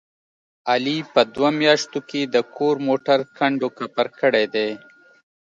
علي په دوه میاشتو کې د کور موټر کنډ کپر کړی دی.